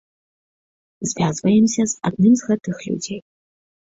Звязваемся з адным з гэтых людзей.